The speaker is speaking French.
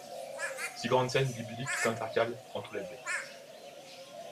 Six grandes scènes bibliques s'intercalent entre les baies.